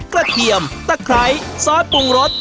เทียมตะไคร้ซอสปรุงรส